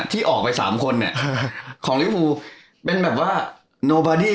ที่ออกไว้สามคนเนี่ยครับของเป็นแบบว่าเนอร์บาดี้อะ